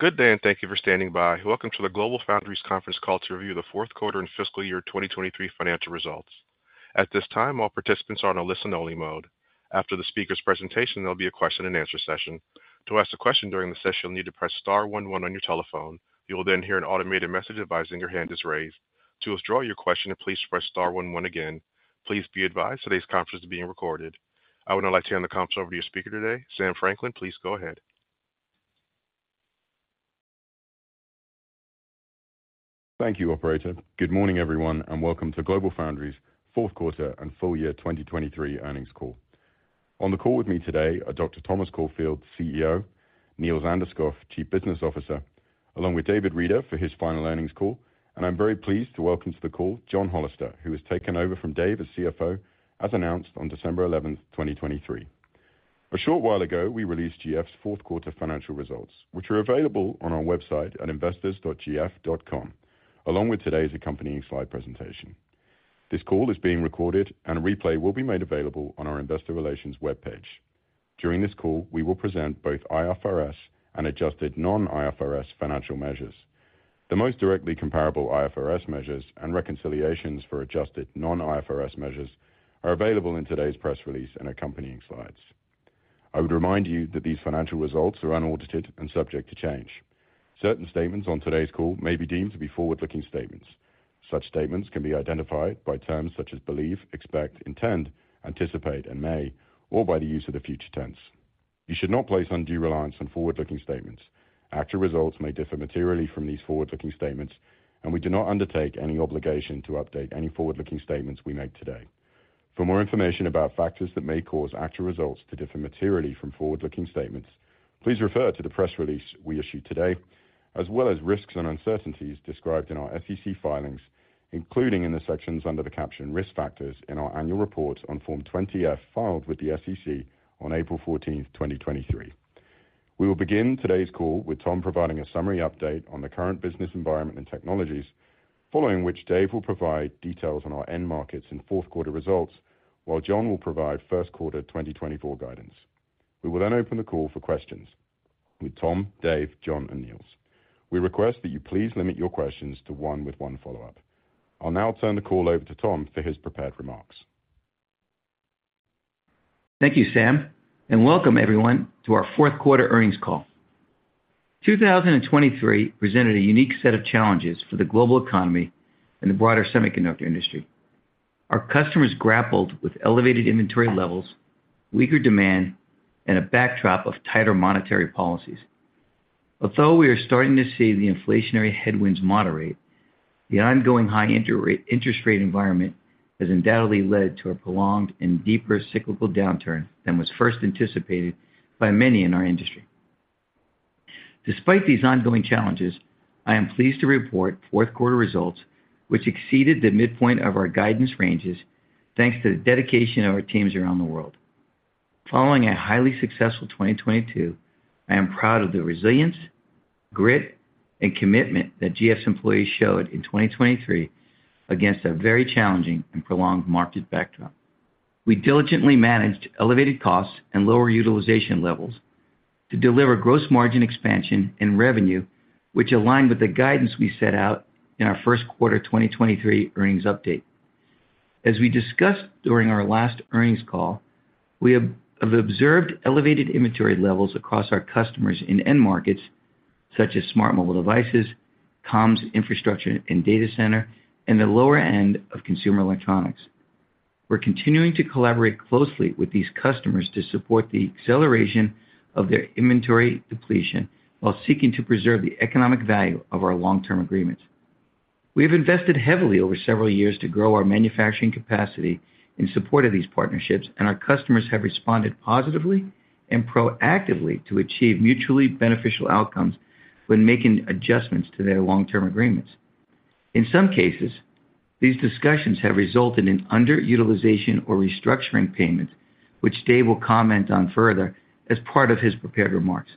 Good day, and thank you for standing by. Welcome to the GlobalFoundries conference call to review the fourth quarter and fiscal year 2023 financial results. At this time, all participants are on a listen-only mode. After the speaker's presentation, there'll be a question-and-answer session. To ask a question during the session, you'll need to press star 11 on your telephone. You will then hear an automated message advising your hand is raised. To withdraw your question, please press star 11 again. Please be advised today's conference is being recorded. I would now like to hand the conference over to your speaker today, Sam Franklin. Please go ahead. Thank you, Operator. Good morning, everyone, and welcome to GlobalFoundries' fourth quarter and full year 2023 earnings call. On the call with me today are Dr. Thomas Caulfield, CEO; Niels Anderskouv, Chief Business Officer; along with David Reeder for his final earnings call. I'm very pleased to welcome to the call John Hollister, who has taken over from Dave as CFO, as announced on December 11, 2023. A short while ago, we released GF's fourth quarter financial results, which are available on our website at investors.gf.com, along with today's accompanying slide presentation. This call is being recorded, and a replay will be made available on our investor relations web page. During this call, we will present both IFRS and adjusted non-IFRS financial measures. The most directly comparable IFRS measures and reconciliations for adjusted non-IFRS measures are available in today's press release and accompanying slides. I would remind you that these financial results are unaudited and subject to change. Certain statements on today's call may be deemed to be forward-looking statements. Such statements can be identified by terms such as believe, expect, intend, anticipate, and may, or by the use of the future tense. You should not place undue reliance on forward-looking statements. Actual results may differ materially from these forward-looking statements, and we do not undertake any obligation to update any forward-looking statements we make today. For more information about factors that may cause actual results to differ materially from forward-looking statements, please refer to the press release we issued today, as well as risks and uncertainties described in our SEC filings, including in the sections under the caption "Risk Factors" in our annual report on Form 20-F filed with the SEC on April 14, 2023. We will begin today's call with Tom providing a summary update on the current business environment and technologies, following which Dave will provide details on our end markets and fourth quarter results, while John will provide first quarter 2024 guidance. We will then open the call for questions with Tom, Dave, John, and Niels. We request that you please limit your questions to one with one follow-up. I'll now turn the call over to Tom for his prepared remarks. Thank you, Sam, and welcome, everyone, to our fourth quarter earnings call. 2023 presented a unique set of challenges for the Qorvo economy and the broader semiconductor industry. Our customers grappled with elevated inventory levels, weaker demand, and a backdrop of tighter monetary policies. Although we are starting to see the inflationary headwinds moderate, the ongoing high interest rate environment has undoubtedly led to a prolonged and deeper cyclical downturn than was first anticipated by many in our industry. Despite these ongoing challenges, I am pleased to report fourth quarter results, which exceeded the midpoint of our guidance ranges thanks to the dedication of our teams around the world. Following a highly successful 2022, I am proud of the resilience, grit, and commitment that GF's employees showed in 2023 against a very challenging and prolonged market backdrop. We diligently managed elevated costs and lower utilization levels to deliver gross margin expansion and revenue, which aligned with the guidance we set out in our first quarter 2023 earnings update. As we discussed during our last earnings call, we have observed elevated inventory levels across our customers in end markets such as smart mobile devices, comms, infrastructure, and data center, and the lower end of consumer electronics. We're continuing to collaborate closely with these customers to support the acceleration of their inventory depletion while seeking to preserve the economic value of our long-term agreements. We have invested heavily over several years to grow our manufacturing capacity in support of these partnerships, and our customers have responded positively and proactively to achieve mutually beneficial outcomes when making adjustments to their long-term agreements. In some cases, these discussions have resulted in underutilization or restructuring payments, which Dave will comment on further as part of his prepared remarks.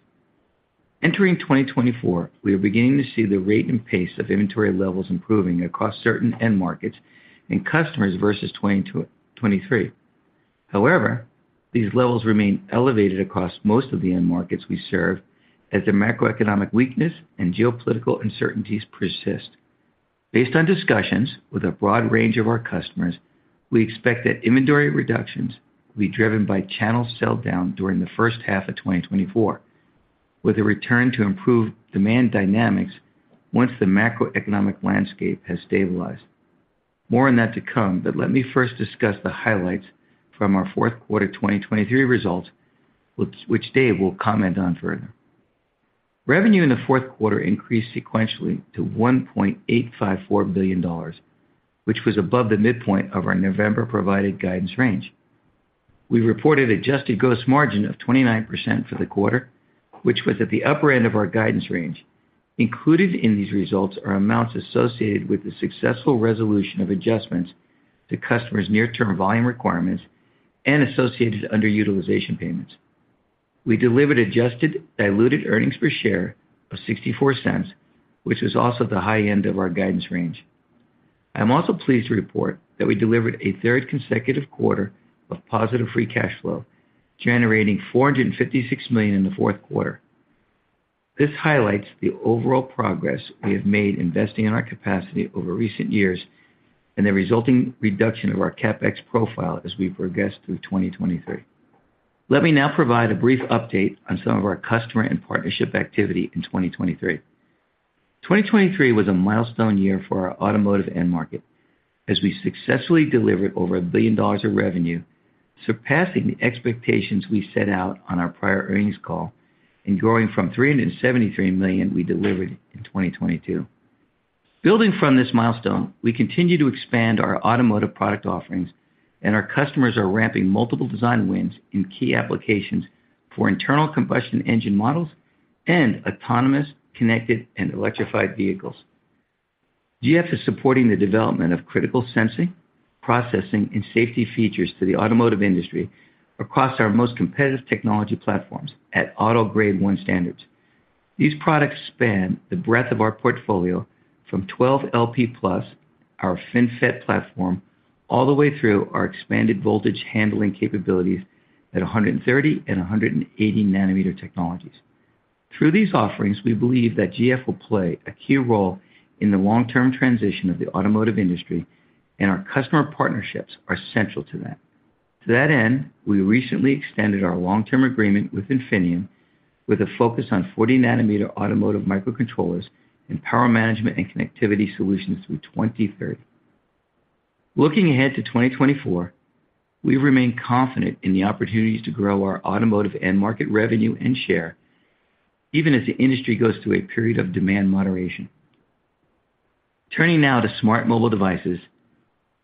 Entering 2024, we are beginning to see the rate and pace of inventory levels improving across certain end markets and customers versus 2023. However, these levels remain elevated across most of the end markets we serve, as the macroeconomic weakness and geopolitical uncertainties persist. Based on discussions with a broad range of our customers, we expect that inventory reductions will be driven by channel sell-down during the first half of 2024, with a return to improved demand dynamics once the macroeconomic landscape has stabilized. More on that to come, but let me first discuss the highlights from our fourth quarter 2023 results, which Dave will comment on further. Revenue in the fourth quarter increased sequentially to $1.854 billion, which was above the midpoint of our November-provided guidance range. We reported adjusted gross margin of 29% for the quarter, which was at the upper end of our guidance range. Included in these results are amounts associated with the successful resolution of adjustments to customers' near-term volume requirements and associated underutilization payments. We delivered adjusted diluted earnings per share of $0.64, which was also at the high end of our guidance range. I am also pleased to report that we delivered a third consecutive quarter of positive free cash flow, generating $456 million in the fourth quarter. This highlights the overall progress we have made investing in our capacity over recent years and the resulting reduction of our Capex profile as we progress through 2023. Let me now provide a brief update on some of our customer and partnership activity in 2023. 2023 was a milestone year for our automotive end market, as we successfully delivered over $1 billion of revenue, surpassing the expectations we set out on our prior earnings call and growing from $373 million we delivered in 2022. Building from this milestone, we continue to expand our automotive product offerings, and our customers are ramping multiple design wins in key applications for internal combustion engine models and autonomous, connected, and electrified vehicles. GF is supporting the development of critical sensing, processing, and safety features to the automotive industry across our most competitive technology platforms at Auto Grade 1 standards. These products span the breadth of our portfolio from 12LP+, our FinFET platform, all the way through our expanded voltage handling capabilities at 130 nm and 180 nm technologies. Through these offerings, we believe that GF will play a key role in the long-term transition of the automotive industry, and our customer partnerships are central to that. To that end, we recently extended our long-term agreement with Infineon with a focus on 40 nm automotive microcontrollers and power management and connectivity solutions through 2030. Looking ahead to 2024, we remain confident in the opportunities to grow our automotive end market revenue and share, even as the industry goes through a period of demand moderation. Turning now to smart mobile devices,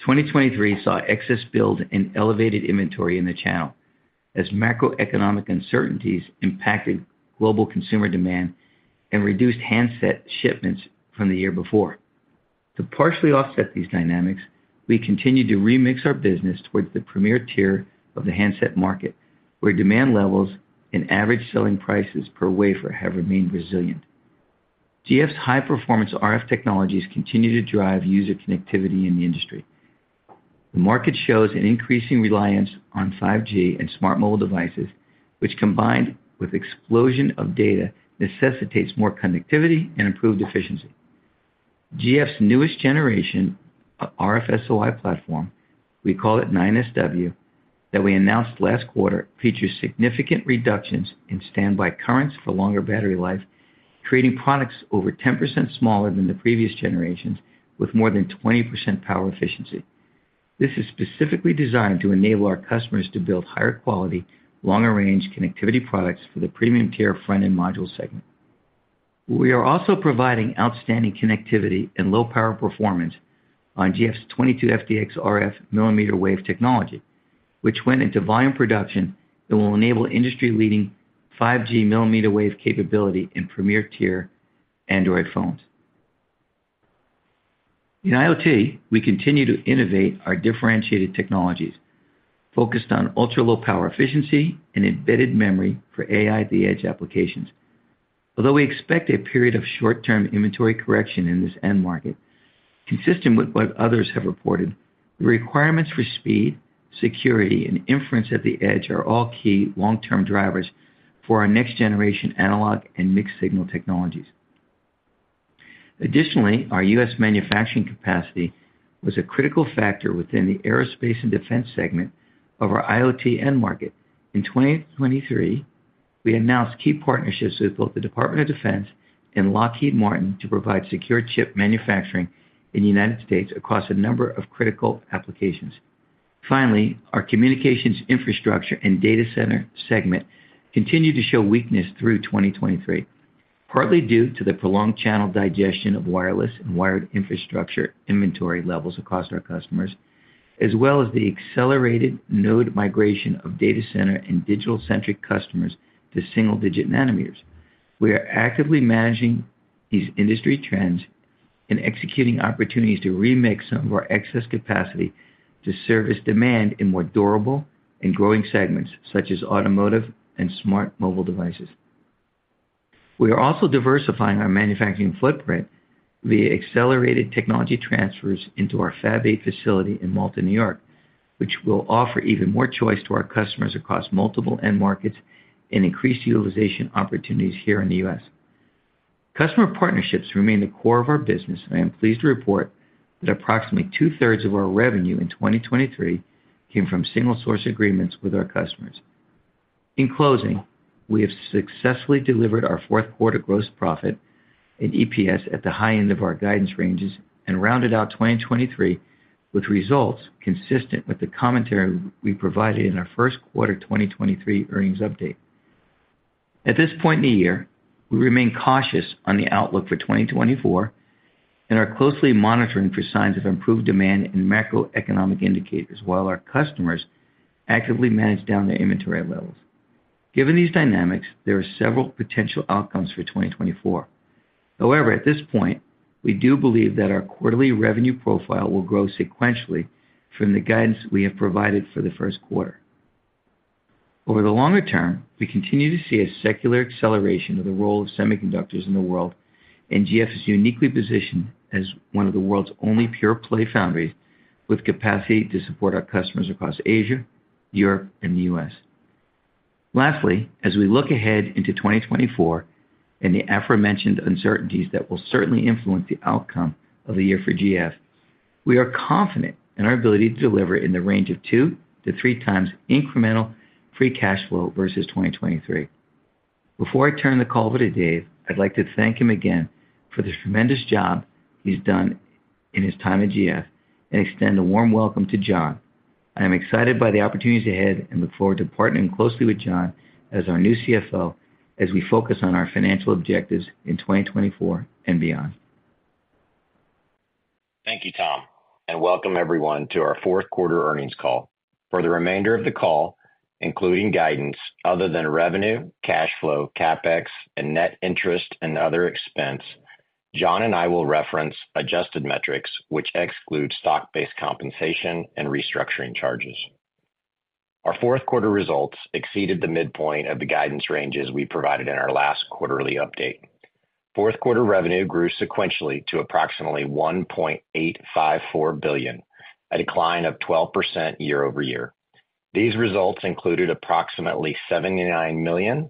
2023 saw excess build and elevated inventory in the channel as macroeconomic uncertainties impacted global consumer demand and reduced handset shipments from the year before. To partially offset these dynamics, we continue to remix our business towards the premier tier of the handset market, where demand levels and average selling prices per wafer have remained resilient. GF's high-performance RF technologies continue to drive user connectivity in the industry. The market shows an increasing reliance on 5G and smart mobile devices, which combined with an explosion of data necessitates more connectivity and improved efficiency. GF's newest generation RFSOI platform, we call it 9SW, that we announced last quarter features significant reductions in standby currents for longer battery life, creating products over 10% smaller than the previous generations with more than 20% power efficiency. This is specifically designed to enable our customers to build higher quality, longer-range connectivity products for the premium tier front-end module segment. We are also providing outstanding connectivity and low-power performance on GF's 22FDX RF millimeter wave technology, which went into volume production that will enable industry-leading 5G millimeter wave capability in premier tier Android phones. In IoT, we continue to innovate our differentiated technologies, focused on ultra-low power efficiency and embedded memory for AI at the edge applications. Although we expect a period of short-term inventory correction in this end market, consistent with what others have reported, the requirements for speed, security, and inference at the edge are all key long-term drivers for our next-generation analog and mixed-signal technologies. Additionally, our U.S. manufacturing capacity was a critical factor within the aerospace and defense segment of our IoT end market. In 2023, we announced key partnerships with both the Department of Defense and Lockheed Martin to provide secure chip manufacturing in the United States across a number of critical applications. Finally, our communications infrastructure and data center segment continued to show weakness through 2023, partly due to the prolonged channel digestion of wireless and wired infrastructure inventory levels across our customers, as well as the accelerated node migration of data center and digital-centric customers to single-digit nanometers. We are actively managing these industry trends and executing opportunities to remix some of our excess capacity to service demand in more durable and growing segments such as automotive and smart mobile devices. We are also diversifying our manufacturing footprint via accelerated technology transfers into our Fab 8 facility in Malta, New York, which will offer even more choice to our customers across multiple end markets and increased utilization opportunities here in the U.S. Customer partnerships remain the core of our business, and I am pleased to report that approximately two-thirds of our revenue in 2023 came from single-source agreements with our customers. In closing, we have successfully delivered our fourth quarter gross profit and EPS at the high end of our guidance ranges and rounded out 2023 with results consistent with the commentary we provided in our first quarter 2023 earnings update. At this point in the year, we remain cautious on the outlook for 2024 and are closely monitoring for signs of improved demand in macroeconomic indicators while our customers actively manage down their inventory levels. Given these dynamics, there are several potential outcomes for 2024. However, at this point, we do believe that our quarterly revenue profile will grow sequentially from the guidance we have provided for the first quarter. Over the longer term, we continue to see a secular acceleration of the role of semiconductors in the world, and GF is uniquely positioned as one of the world's only pure-play foundries with capacity to support our customers across Asia, Europe, and the U.S. Lastly, as we look ahead into 2024 and the aforementioned uncertainties that will certainly influence the outcome of the year for GF, we are confident in our ability to deliver in the range of 2-3 times incremental free cash flow versus 2023. Before I turn the call over to Dave, I'd like to thank him again for the tremendous job he's done in his time at GF and extend a warm welcome to John. I am excited by the opportunities ahead and look forward to partnering closely with John as our new CFO as we focus on our financial objectives in 2024 and beyond. Thank you, Tom, and welcome, everyone, to our fourth quarter earnings call. For the remainder of the call, including guidance other than revenue, cash flow, CapEx, and net interest and other expense, John and I will reference adjusted metrics, which exclude stock-based compensation and restructuring charges. Our fourth quarter results exceeded the midpoint of the guidance ranges we provided in our last quarterly update. Fourth quarter revenue grew sequentially to approximately $1.854 billion, a decline of 12% year-over-year. These results included approximately $79 million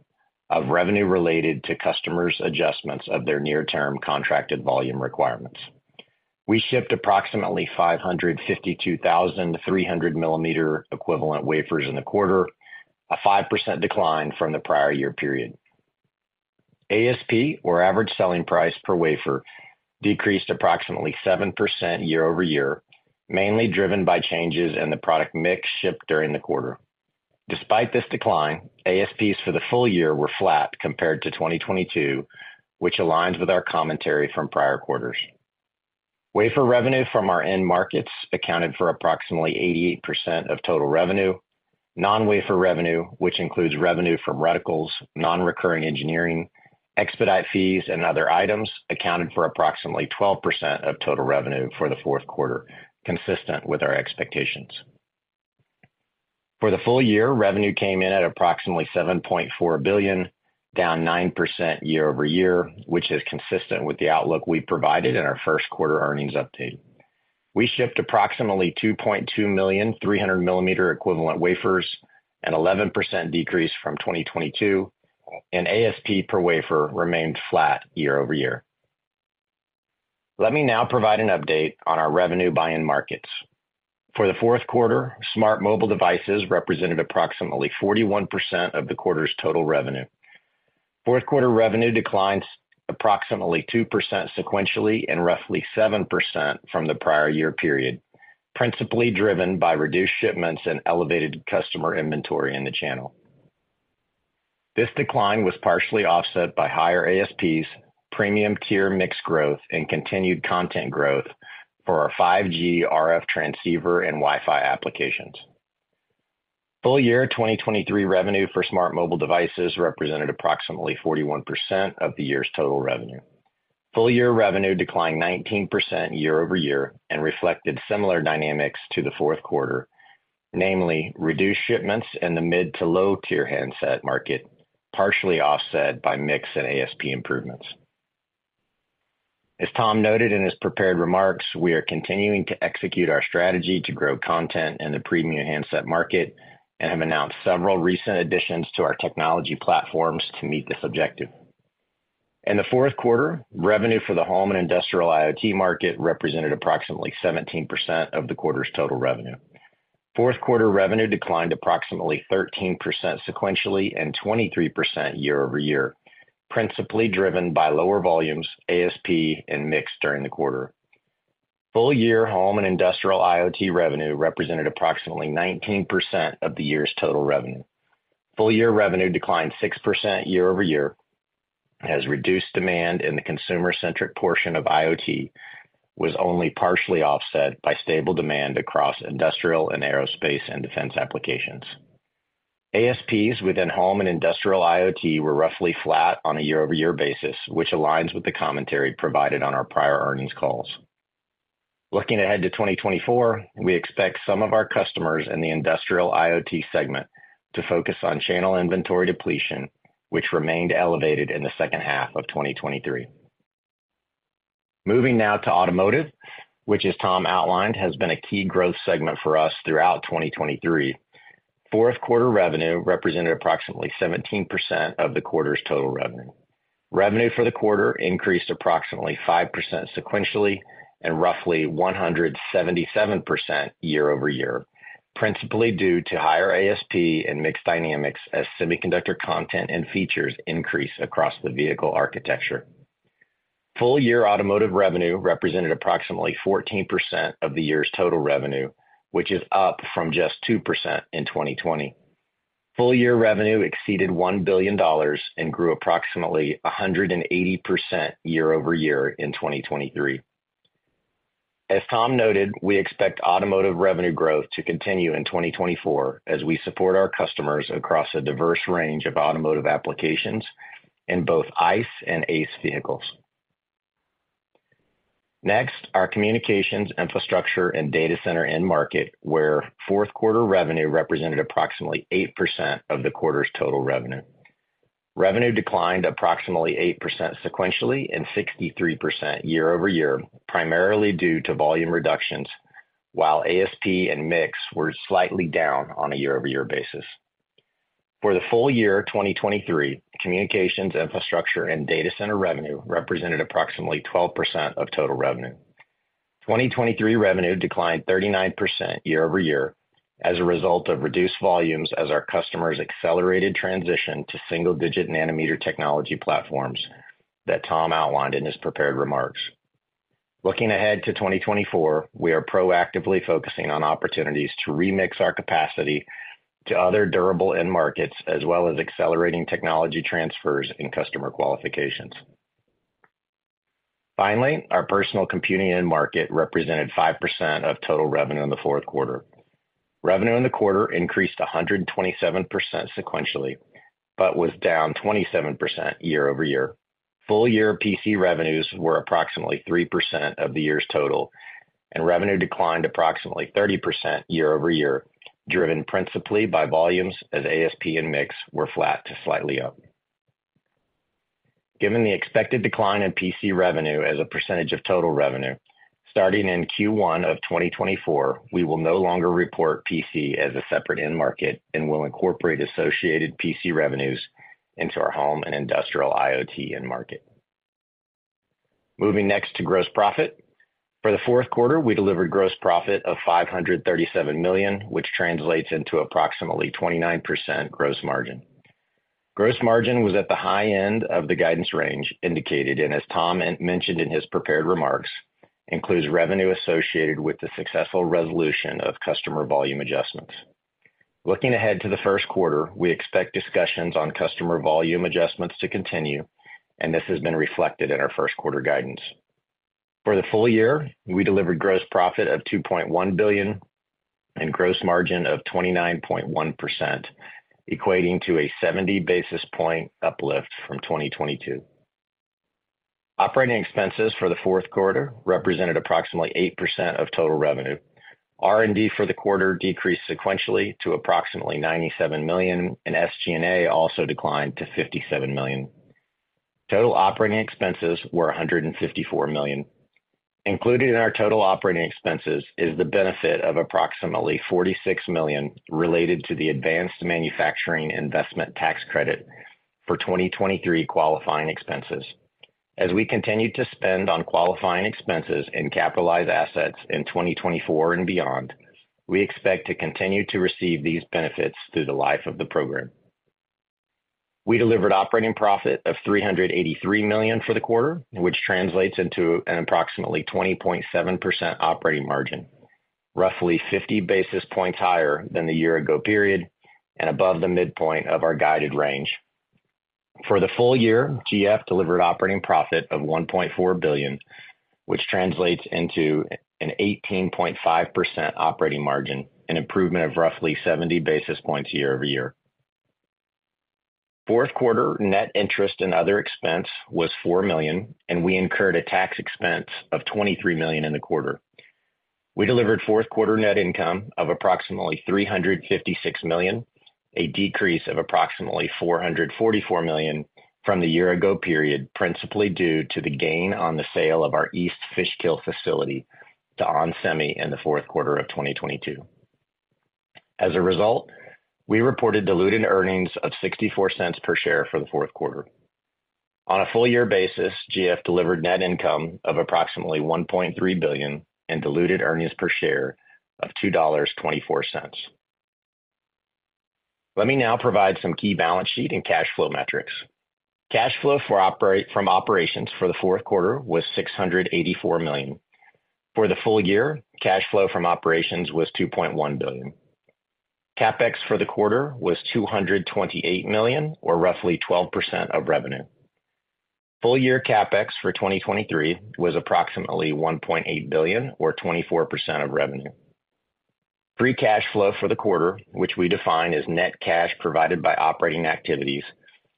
of revenue related to customers' adjustments of their near-term contracted volume requirements. We shipped approximately 552,300 millimeter equivalent wafers in the quarter, a 5% decline from the prior year period. ASP, or average selling price per wafer, decreased approximately 7% year-over-year, mainly driven by changes in the product mix shipped during the quarter. Despite this decline, ASPs for the full year were flat compared to 2022, which aligns with our commentary from prior quarters. Wafer revenue from our end markets accounted for approximately 88% of total revenue. Non-wafer revenue, which includes revenue from reticles, non-recurring engineering, expedite fees, and other items, accounted for approximately 12% of total revenue for the fourth quarter, consistent with our expectations. For the full year, revenue came in at approximately $7.4 billion, down 9% year-over-year, which is consistent with the outlook we provided in our first quarter earnings update. We shipped approximately 2.2 million 300 mm equivalent wafers, an 11% decrease from 2022, and ASP per wafer remained flat year-over-year. Let me now provide an update on our revenue by end markets. For the fourth quarter, smart mobile devices represented approximately 41% of the quarter's total revenue. Fourth quarter revenue declined approximately 2% sequentially and roughly 7% from the prior year period, principally driven by reduced shipments and elevated customer inventory in the channel. This decline was partially offset by higher ASPs, premium tier mix growth, and continued content growth for our 5G RF transceiver and Wi-Fi applications. Full year 2023 revenue for smart mobile devices represented approximately 41% of the year's total revenue. Full year revenue declined 19% year-over-year and reflected similar dynamics to the fourth quarter, namely reduced shipments in the mid- to low-tier handset market, partially offset by mix and ASP improvements. As Tom noted in his prepared remarks, we are continuing to execute our strategy to grow content in the premium handset market and have announced several recent additions to our technology platforms to meet this objective. In the fourth quarter, revenue for the home and industrial IoT market represented approximately 17% of the quarter's total revenue. Fourth quarter revenue declined approximately 13% sequentially and 23% year-over-year, principally driven by lower volumes, ASP, and mix during the quarter. Full year home and industrial IoT revenue represented approximately 19% of the year's total revenue. Full year revenue declined 6% year-over-year as reduced demand in the consumer-centric portion of IoT was only partially offset by stable demand across industrial and aerospace and defense applications. ASPs within home and industrial IoT were roughly flat on a year-over-year basis, which aligns with the commentary provided on our prior earnings calls. Looking ahead to 2024, we expect some of our customers in the industrial IoT segment to focus on channel inventory depletion, which remained elevated in the second half of 2023. Moving now to automotive, which as Tom outlined has been a key growth segment for us throughout 2023. Fourth quarter revenue represented approximately 17% of the quarter's total revenue. Revenue for the quarter increased approximately 5% sequentially and roughly 177% year-over-year, principally due to higher ASP and mixed dynamics as semiconductor content and features increase across the vehicle architecture. Full year automotive revenue represented approximately 14% of the year's total revenue, which is up from just 2% in 2020. Full year revenue exceeded $1 billion and grew approximately 180% year-over-year in 2023. As Tom noted, we expect automotive revenue growth to continue in 2024 as we support our customers across a diverse range of automotive applications in both ICE and ACE vehicles. Next, our communications, infrastructure, and data center end market, where fourth quarter revenue represented approximately 8% of the quarter's total revenue. Revenue declined approximately 8% sequentially and 63% year-over-year, primarily due to volume reductions, while ASP and mix were slightly down on a year-over-year basis. For the full year 2023, communications, infrastructure, and data center revenue represented approximately 12% of total revenue. 2023 revenue declined 39% year-over-year as a result of reduced volumes as our customers accelerated transition to single-digit nanometer technology platforms that Tom outlined in his prepared remarks. Looking ahead to 2024, we are proactively focusing on opportunities to remix our capacity to other durable end markets as well as accelerating technology transfers and customer qualifications. Finally, our personal computing end market represented 5% of total revenue in the fourth quarter. Revenue in the quarter increased 127% sequentially but was down 27% year-over-year. Full year PC revenues were approximately 3% of the year's total, and revenue declined approximately 30% year-over-year, driven principally by volumes as ASP and mix were flat to slightly up. Given the expected decline in PC revenue as a percentage of total revenue, starting in Q1 of 2024, we will no longer report PC as a separate end market and will incorporate associated PC revenues into our home and industrial IoT end market. Moving next to gross profit, for the fourth quarter, we delivered gross profit of $537 million, which translates into approximately 29% gross margin. Gross margin was at the high end of the guidance range indicated and, as Tom mentioned in his prepared remarks, includes revenue associated with the successful resolution of customer volume adjustments. Looking ahead to the first quarter, we expect discussions on customer volume adjustments to continue, and this has been reflected in our first quarter guidance. For the full year, we delivered gross profit of $2.1 billion and gross margin of 29.1%, equating to a 70 basis point uplift from 2022. Operating expenses for the fourth quarter represented approximately 8% of total revenue. R&D for the quarter decreased sequentially to approximately $97 million, and SG&A also declined to $57 million. Total operating expenses were $154 million. Included in our total operating expenses is the benefit of approximately $46 million related to the advanced manufacturing investment tax credit for 2023 qualifying expenses. As we continue to spend on qualifying expenses and capitalize assets in 2024 and beyond, we expect to continue to receive these benefits through the life of the program. We delivered operating profit of $383 million for the quarter, which translates into an approximately 20.7% operating margin, roughly 50 basis points higher than the year-ago period and above the midpoint of our guided range. For the full year, GF delivered operating profit of $1.4 billion, which translates into an 18.5% operating margin, an improvement of roughly 70 basis points year-over-year. Fourth quarter net interest and other expense was $4 million, and we incurred a tax expense of $23 million in the quarter. We delivered fourth quarter net income of approximately $356 million, a decrease of approximately $444 million from the year-ago period, principally due to the gain on the sale of our East Fishkill facility to onsemi in the fourth quarter of 2022. As a result, we reported diluted earnings of $0.64 per share for the fourth quarter. On a full year basis, GF delivered net income of approximately $1.3 billion and diluted earnings per share of $2.24. Let me now provide some key balance sheet and cash flow metrics. Cash flow from operations for the fourth quarter was $684 million. For the full year, cash flow from operations was $2.1 billion. CapEx for the quarter was $228 million, or roughly 12% of revenue. Full year CapEx for 2023 was approximately $1.8 billion, or 24% of revenue. Free cash flow for the quarter, which we define as net cash provided by operating activities,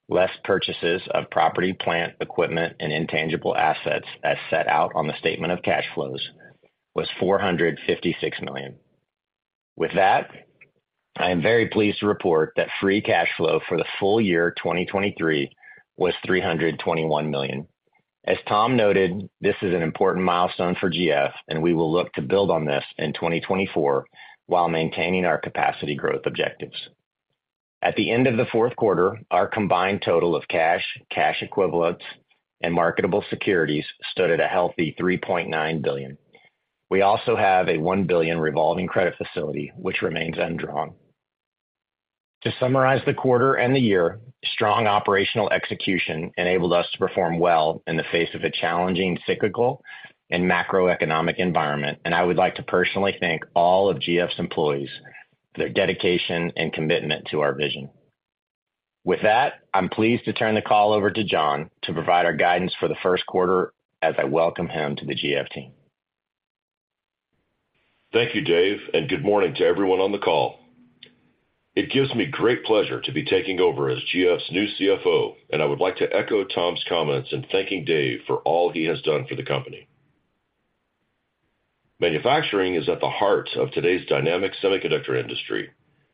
less purchases of property, plant, equipment, and intangible assets as set out on the statement of cash flows, was $456 million. With that, I am very pleased to report that free cash flow for the full year 2023 was $321 million. As Tom noted, this is an important milestone for GF, and we will look to build on this in 2024 while maintaining our capacity growth objectives. At the end of the fourth quarter, our combined total of cash, cash equivalents, and marketable securities stood at a healthy $3.9 billion. We also have a $1 billion revolving credit facility, which remains undrawn. To summarize the quarter and the year, strong operational execution enabled us to perform well in the face of a challenging cyclical and macroeconomic environment, and I would like to personally thank all of GF's employees for their dedication and commitment to our vision. With that, I'm pleased to turn the call over to John to provide our guidance for the first quarter as I welcome him to the GF team. Thank you, Dave, and good morning to everyone on the call. It gives me great pleasure to be taking over as GF's new CFO, and I would like to echo Tom's comments in thanking Dave for all he has done for the company. Manufacturing is at the heart of today's dynamic semiconductor industry,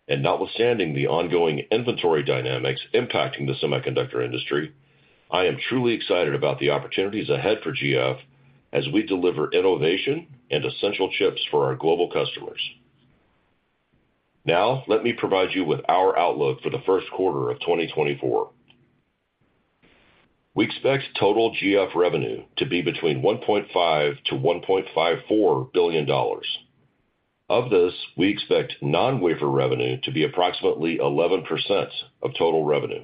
and notwithstanding the ongoing inventory dynamics impacting the semiconductor industry, I am truly excited about the opportunities ahead for GF as we deliver innovation and essential chips for our global customers. Now, let me provide you with our outlook for the first quarter of 2024. We expect total GF revenue to be between $1.5-$1.54 billion. Of this, we expect non-wafer revenue to be approximately 11% of total revenue.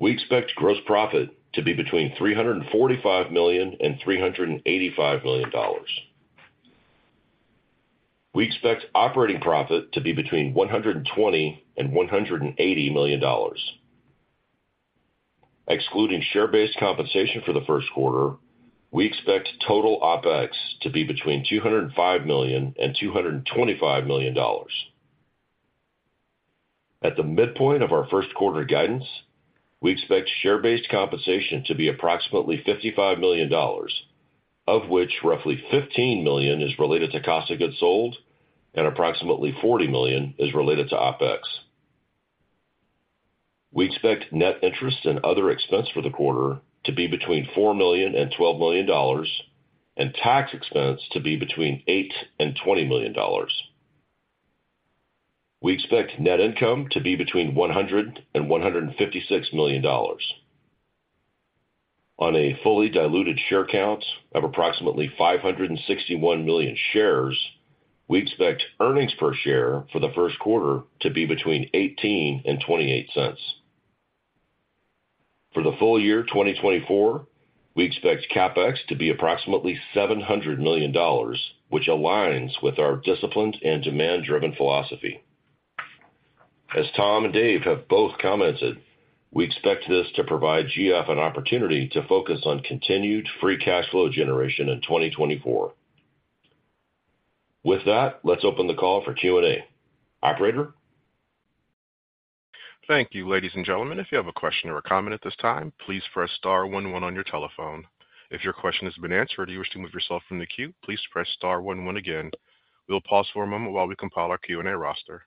We expect gross profit to be between $345 million and $385 million. We expect operating profit to be between $120 and $180 million. Excluding share-based compensation for the first quarter, we expect total OpEx to be between $205 million and $225 million. At the midpoint of our first quarter guidance, we expect share-based compensation to be approximately $55 million, of which roughly $15 million is related to cost of goods sold and approximately $40 million is related to OpEx. We expect net interest and other expense for the quarter to be between $4 million and $12 million, and tax expense to be between $8 and $20 million. We expect net income to be between $100 and $156 million. On a fully diluted share count of approximately 561 million shares, we expect earnings per share for the first quarter to be between $0.18 and $0.28. For the full year 2024, we expect CapEx to be approximately $700 million, which aligns with our disciplined and demand-driven philosophy. As Tom and Dave have both commented, we expect this to provide GF an opportunity to focus on continued free cash flow generation in 2024. With that, let's open the call for Q&A. Operator? Thank you. Ladies and gentlemen, if you have a question or a comment at this time, please press star 11 on your telephone. If your question has been answered or you wish to move yourself from the queue, please press star 11 again. We'll pause for a moment while we compile our Q&A roster.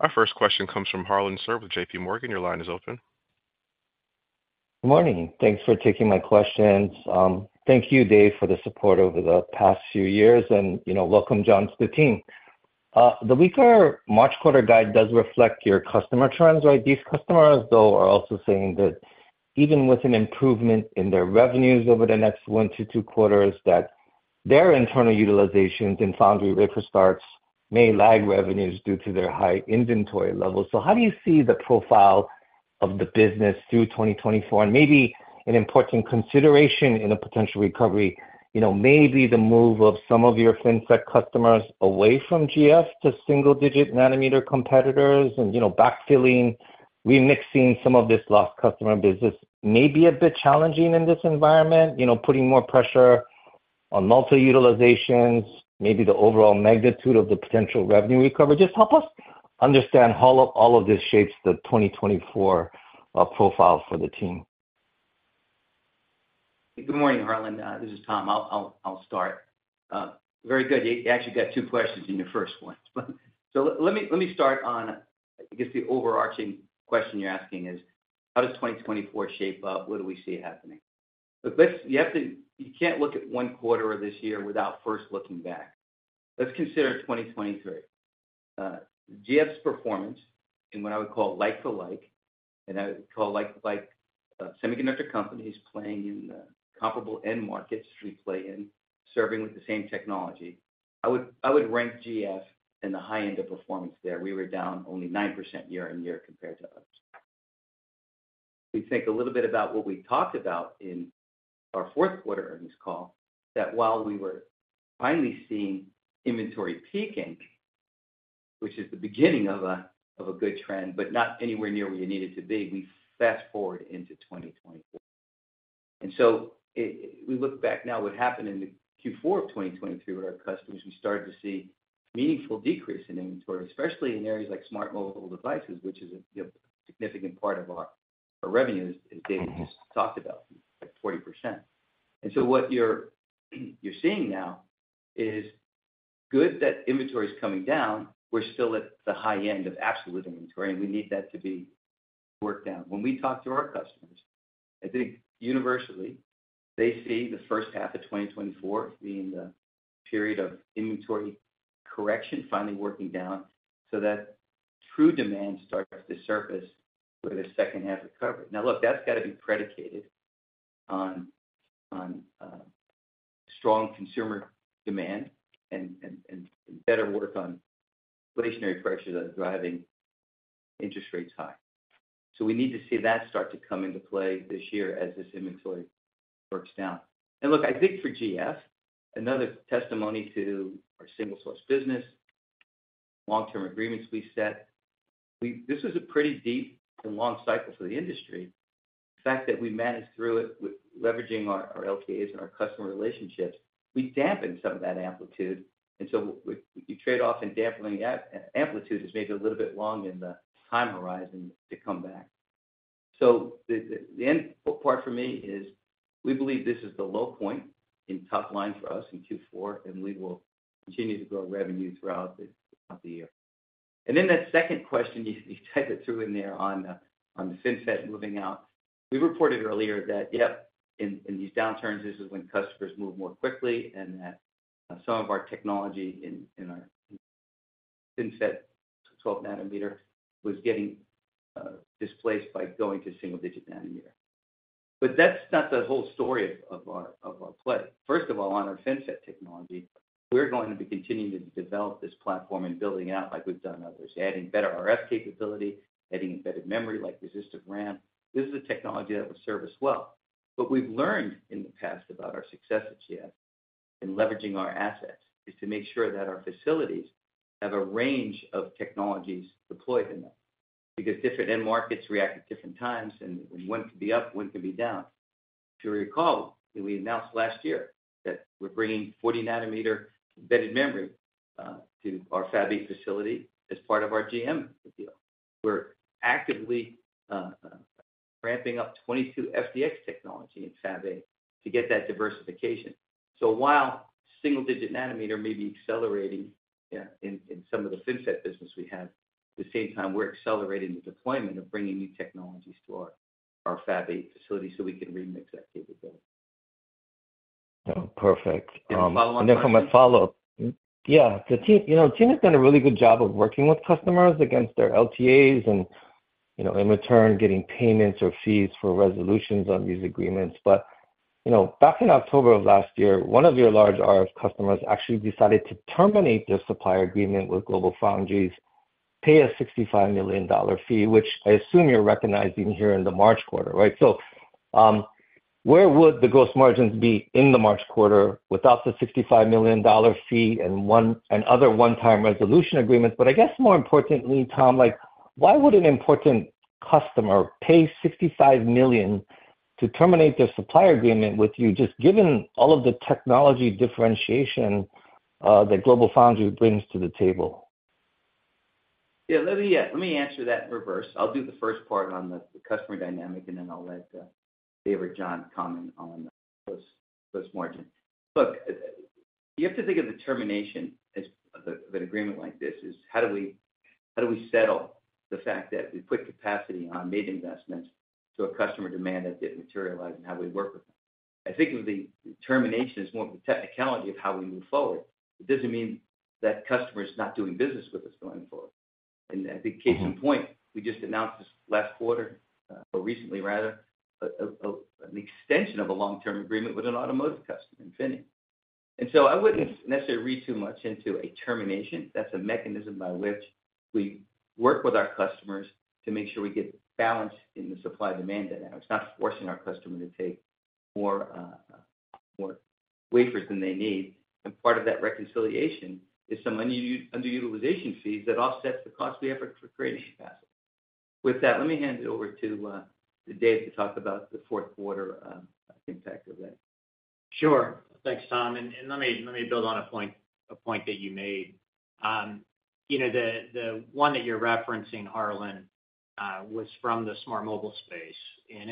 Our first question comes from Harlan Sur with J.P. Morgan. Your line is open. Good morning. Thanks for taking my questions. Thank you, Dave, for the support over the past few years, and welcome, John, to the team. The weaker March quarter guide does reflect your customer trends, right? These customers, though, are also saying that even with an improvement in their revenues over the next one to two quarters, that their internal utilizations in foundry wafer starts may lag revenues due to their high inventory levels. So how do you see the profile of the business through 2024? And maybe an important consideration in a potential recovery, maybe the move of some of your FinFET customers away from GF to single-digit nanometer competitors and backfilling, remixing some of this lost customer business may be a bit challenging in this environment, putting more pressure on multi-utilizations, maybe the overall magnitude of the potential revenue recovery. Just help us understand how all of this shapes the 2024 profile for the team? Good morning, Harlan. This is Tom. I'll start. Very good. You actually got two questions in your first one. So let me start on, I guess, the overarching question you're asking is, how does 2024 shape up? What do we see happening? You can't look at one quarter of this year without first looking back. Let's consider 2023. GF's performance in what I would call like-for-like, and I would call like-for-like semiconductor companies playing in the comparable end markets we play in, serving with the same technology. I would rank GF in the high end of performance there. We were down only 9% year-over-year compared to others. We think a little bit about what we talked about in our fourth quarter earnings call, that while we were finally seeing inventory peaking, which is the beginning of a good trend but not anywhere near where you needed to be, we fast-forward into 2024. And so we look back now, what happened in the Q4 of 2023 with our customers, we started to see meaningful decrease in inventory, especially in areas like smart mobile devices, which is a significant part of our revenue, as David just talked about, like 40%. And so what you're seeing now is good that inventory's coming down. We're still at the high end of absolute inventory, and we need that to be worked down. When we talk to our customers, I think universally, they see the first half of 2024 being the period of inventory correction finally working down so that true demand starts to surface with a second half recovery. Now, look, that's got to be predicated on strong consumer demand and better work on inflationary pressures that are driving interest rates high. So we need to see that start to come into play this year as this inventory works down. And look, I think for GF, another testimony to our single-source business, long-term agreements we set, this was a pretty deep and long cycle for the industry. The fact that we managed through it leveraging our LTAs and our customer relationships, we dampened some of that amplitude. And so you trade off, and dampening amplitude is maybe a little bit long in the time horizon to come back. So the end part for me is we believe this is the low point in top line for us in Q4, and we will continue to grow revenue throughout the year. Then that second question, you type it through in there on the FinFET moving out. We reported earlier that, yep, in these downturns, this is when customers move more quickly and that some of our technology in our FinFET 12-nanometer was getting displaced by going to single-digit nanometer. But that's not the whole story of our play. First of all, on our FinFET technology, we're going to be continuing to develop this platform and building it out like we've done others, adding better RF capability, adding embedded memory like Resistive RAM. This is a technology that will serve us well. But we've learned in the past about our success at GF in leveraging our assets is to make sure that our facilities have a range of technologies deployed in them because different end markets react at different times, and when one can be up, one can be down. If you recall, we announced last year that we're bringing 40 nanometer embedded memory to our Fab 8 facility as part of our GM deal. We're actively ramping up 22FDX technology in Fab 8 to get that diversification. So while single-digit nanometer may be accelerating in some of the FinFET business we have, at the same time, we're accelerating the deployment of bringing new technologies to our Fab 8 facility so we can remix that capability. Oh, perfect. I know from a follow-up, yeah, the team has done a really good job of working with customers against their LTAs and, in return, getting payments or fees for resolutions on these agreements. But back in October of last year, one of your large RF customers actually decided to terminate their supplier agreement with GlobalFoundries, pay a $65 million fee, which I assume you're recognizing here in the March quarter, right? So where would the gross margins be in the March quarter without the $65 million fee and other one-time resolution agreements? But I guess, more importantly, Tom, why would an important customer pay $65 million to terminate their supplier agreement with you, just given all of the technology differentiation that GlobalFoundries brings to the table? Yeah, let me answer that in reverse. I'll do the first part on the customer dynamic, and then I'll let Dave or John comment on the gross margin. Look, you have to think of the termination of an agreement like this as how do we settle the fact that we put capacity on made investments to a customer demand that didn't materialize, and how do we work with them? I think the termination is more of the technicality of how we move forward. It doesn't mean that customer's not doing business with us going forward. And I think, case in point, we just announced this last quarter, or recently, rather, an extension of a long-term agreement with an automotive customer, Infineon. And so I wouldn't necessarily read too much into a termination. That's a mechanism by which we work with our customers to make sure we get balance in the supply-demand dynamics. It's not forcing our customer to take more wafers than they need. And part of that reconciliation is some underutilization fees that offsets the cost we have for creating capacity. With that, let me hand it over to Dave to talk about the fourth quarter impact of that. Sure. Thanks, Tom. Let me build on a point that you made. The one that you're referencing, Harlan, was from the smart mobile space.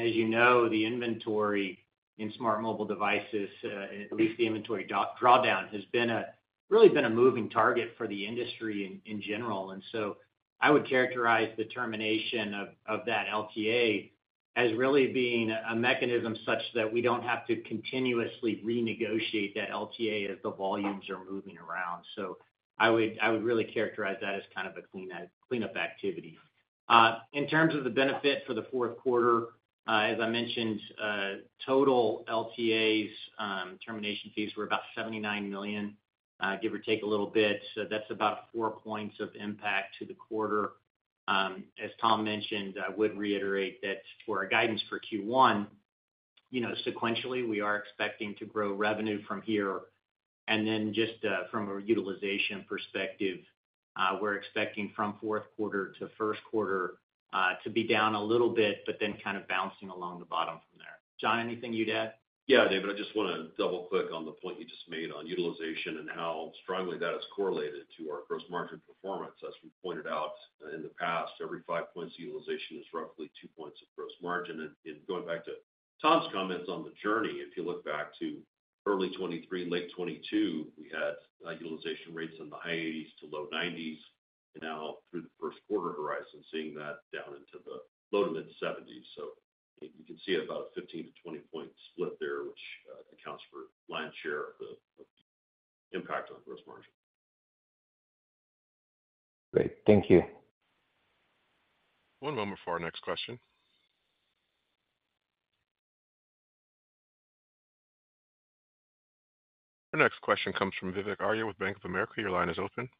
As you know, the inventory in smart mobile devices, at least the inventory drawdown, has really been a moving target for the industry in general. So I would characterize the termination of that LTA as really being a mechanism such that we don't have to continuously renegotiate that LTA as the volumes are moving around. So I would really characterize that as kind of a cleanup activity. In terms of the benefit for the fourth quarter, as I mentioned, total LTAs termination fees were about $79 million, give or take a little bit. So that's about four points of impact to the quarter. As Tom mentioned, I would reiterate that for our guidance for Q1, sequentially, we are expecting to grow revenue from here. And then just from a utilization perspective, we're expecting from fourth quarter to first quarter to be down a little bit, but then kind of bouncing along the bottom from there. John, anything you'd add? Yeah, Dave. I just want to double-click on the point you just made on utilization and how strongly that is correlated to our gross margin performance. As we pointed out in the past, every 5 points of utilization is roughly 2 points of gross margin. And going back to Tom's comments on the journey, if you look back to early 2023, late 2022, we had utilization rates in the high 80s to low 90s, and now through the first quarter horizon, seeing that down into the low to mid-70s. So you can see about a 15-20-point split there, which accounts for land share of the impact on gross margin. Great. Thank you. One moment for our next question. Our next question comes from Vivek Arya with Bank of America. Your line is open.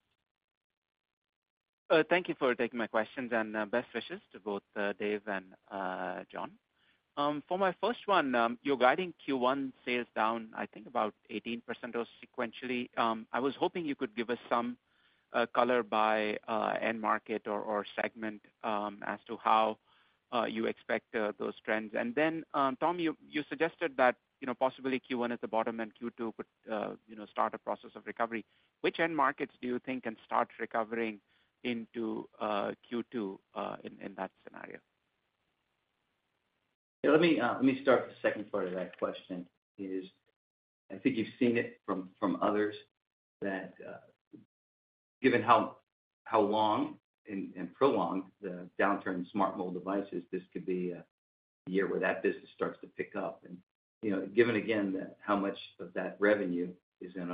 Thank you for taking my questions, and best wishes to both Dave and John. For my first one, your guiding Q1 sales down, I think, about 18% sequentially. I was hoping you could give us some color by end market or segment as to how you expect those trends. And then, Tom, you suggested that possibly Q1 at the bottom and Q2 could start a process of recovery. Which end markets do you think can start recovering into Q2 in that scenario? Yeah, let me start the second part of that question. I think you've seen it from others that given how long and prolonged the downturn in smart mobile devices, this could be a year where that business starts to pick up. And given, again, how much of that revenue is in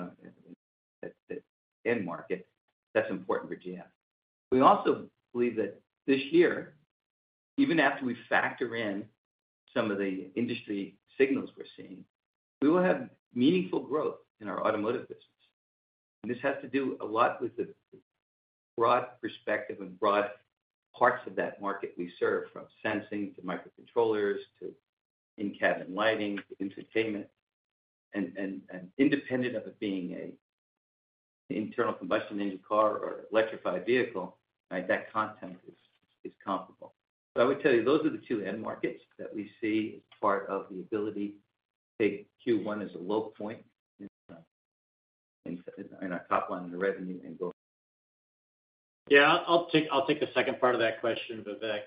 that end market, that's important for GF. We also believe that this year, even after we factor in some of the industry signals we're seeing, we will have meaningful growth in our automotive business. And this has to do a lot with the broad perspective and broad parts of that market we serve, from sensing to microcontrollers to in-cabin lighting to entertainment. And independent of it being an internal combustion engine car or electrified vehicle, that content is comparable. I would tell you, those are the two end markets that we see as part of the ability to take Q1 as a low point in our top line of revenue and go. Yeah, I'll take the second part of that question, Vivek.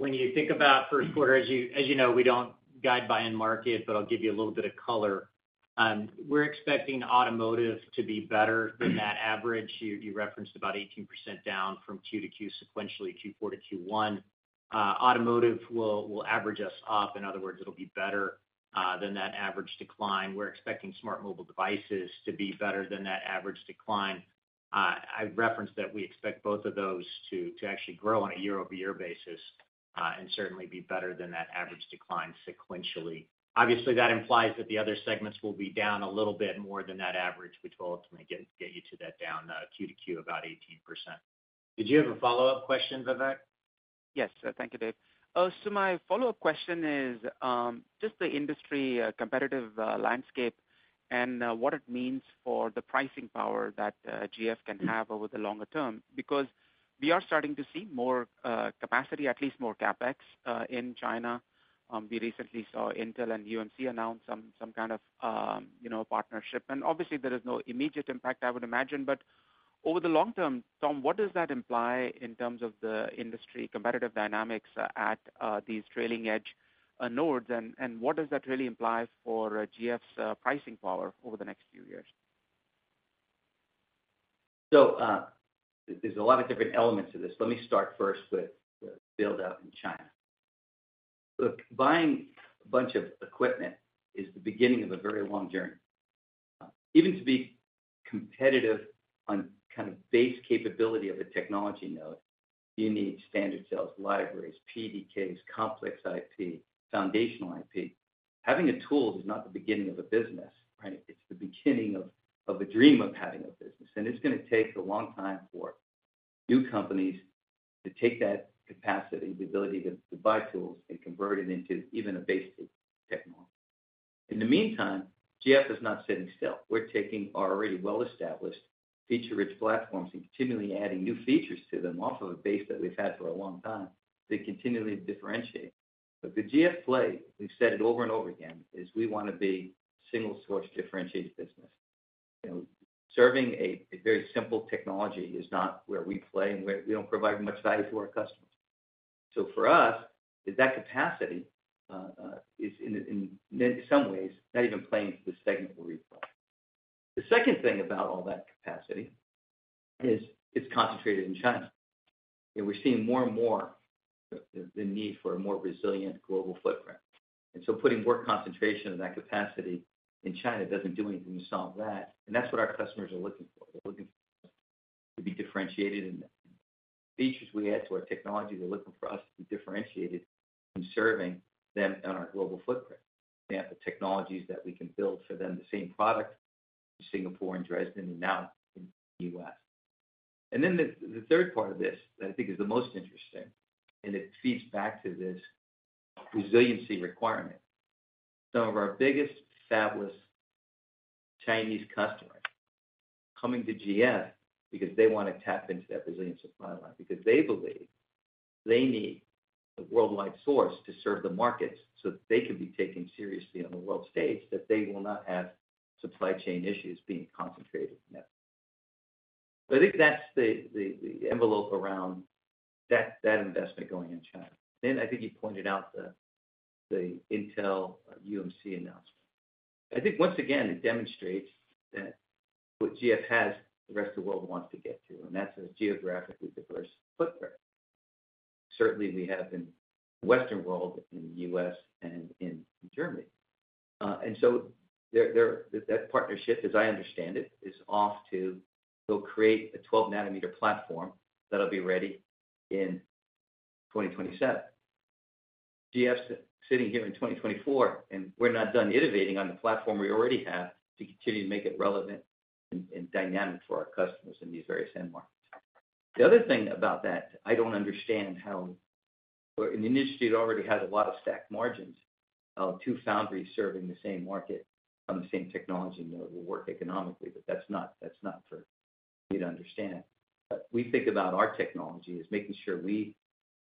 When you think about first quarter, as you know, we don't guide by end market, but I'll give you a little bit of color. We're expecting automotive to be better than that average. You referenced about 18% down from Q to Q, sequentially, Q4 to Q1. Automotive will average us up. In other words, it'll be better than that average decline. We're expecting smart mobile devices to be better than that average decline. I referenced that we expect both of those to actually grow on a year-over-year basis and certainly be better than that average decline sequentially. Obviously, that implies that the other segments will be down a little bit more than that average, which will ultimately get you to that down Q to Q about 18%. Did you have a follow-up question, Vivek? Yes. Thank you, Dave. So my follow-up question is just the industry competitive landscape and what it means for the pricing power that GF can have over the longer term. Because we are starting to see more capacity, at least more CapEx, in China. We recently saw Intel and UMC announce some kind of partnership. And obviously, there is no immediate impact, I would imagine. But over the long term, Tom, what does that imply in terms of the industry competitive dynamics at these trailing-edge nodes? And what does that really imply for GF's pricing power over the next few years? So there's a lot of different elements to this. Let me start first with the build-out in China. Look, buying a bunch of equipment is the beginning of a very long journey. Even to be competitive on kind of base capability of a technology node, you need standard cells, libraries, PDKs, complex IP, foundational IP. Having a tool is not the beginning of a business, right? It's the beginning of a dream of having a business. And it's going to take a long time for new companies to take that capacity, the ability to buy tools, and convert it into even a base technology. In the meantime, GF is not sitting still. We're taking our already well-established, feature-rich platforms and continually adding new features to them off of a base that we've had for a long time to continually differentiate. But the GF play, we've said it over and over again, is we want to be a single-source, differentiated business. Serving a very simple technology is not where we play, and we don't provide much value to our customers. So for us, that capacity is, in some ways, not even playing for the segment where we play. The second thing about all that capacity is it's concentrated in China. We're seeing more and more the need for a more resilient global footprint. And so putting more concentration of that capacity in China doesn't do anything to solve that. And that's what our customers are looking for. They're looking for us to be differentiated in the features we add to our technology. They're looking for us to be differentiated in serving them on our global footprint. For example, technologies that we can build for them the same product in Singapore and Dresden and now in the U.S. And then the third part of this that I think is the most interesting, and it feeds back to this resiliency requirement, some of our biggest fabless Chinese customers coming to GF because they want to tap into that resilience supply line, because they believe they need a worldwide source to serve the markets so that they can be taken seriously on the world stage, that they will not have supply chain issues being concentrated in that. So I think that's the envelope around that investment going in China. Then I think you pointed out the Intel/UMC announcement. I think, once again, it demonstrates that what GF has, the rest of the world wants to get to. And that's a geographically diverse footprint. Certainly, we have in the Western world, in the U.S., and in Germany. And so that partnership, as I understand it, is off to go create a 12 nm platform that'll be ready in 2027. GF's sitting here in 2024, and we're not done innovating on the platform we already have to continue to make it relevant and dynamic for our customers in these various end markets. The other thing about that, I don't understand how an industry that already has a lot of stacked margins, two foundries serving the same market on the same technology node will work economically. But that's not for me to understand. But we think about our technology as making sure we